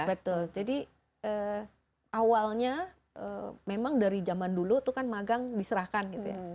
betul jadi awalnya memang dari zaman dulu itu kan magang diserahkan gitu ya